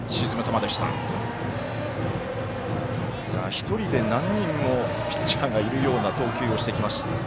１人で何人もピッチャーがいるような投球をしてきます。